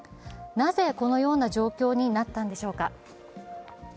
なぜこのような状況になったんでしょうか。